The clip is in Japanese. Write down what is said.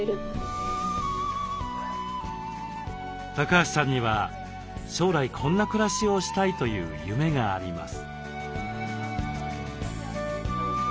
橋さんには将来こんな暮らしをしたいという夢があります。